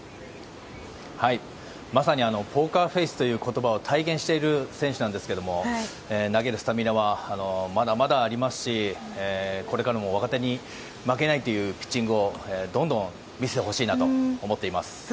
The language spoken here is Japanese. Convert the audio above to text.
まさにポーカーフェースという言葉を体現している選手なんですけども投げるスタミナはまだまだありますしこれからも若手に負けないというピッチングをどんどん見せてほしいなと思っています。